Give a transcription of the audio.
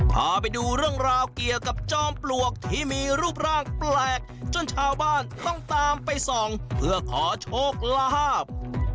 พาไปดูเรื่องราวเกี่ยวกับจอมปลวกที่มีรูปร่างแปลกจนชาวบ้านต้องตามไปส่องเพื่อขอโชคลาภ